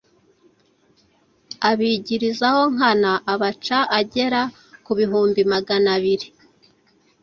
abigirizaho nkana abaca agera kubihumbi magana biri